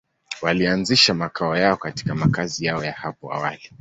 Walianzisha makao yao katika makazi yao ya hapo awali.